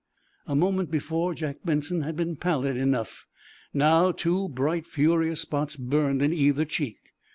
A moment before Jack Benson had been pallid enough. Now, two bright, furious spots burned in either cheek.